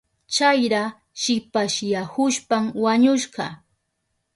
Chayra shipasyahushpan wañushka.